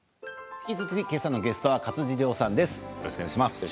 引き続き今朝のゲストは勝地涼さんです。